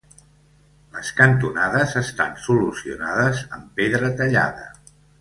Les cantonades estan solucionades amb pedra tallada.